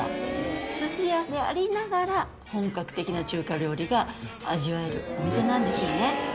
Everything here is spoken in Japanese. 寿司屋でありながら本格的な中華料理が味わえるお店なんですよね。